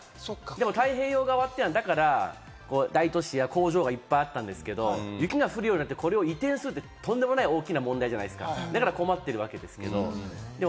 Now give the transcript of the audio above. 太平洋側っていうのは大都市や工場がいっぱいあったんですけれども、雪が降るようになって、これを移転すると大きな問題、だから困ってるわけですけれども。